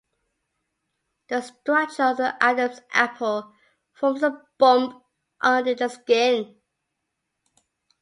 The structure of the Adam's apple forms a bump under the skin.